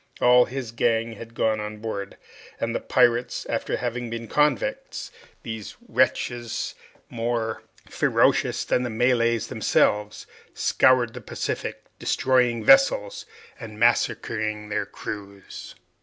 All his gang had gone on board, and pirates after having been convicts, these wretches, more ferocious than the Malays themselves, scoured the Pacific, destroying vessels, and massacring their crews.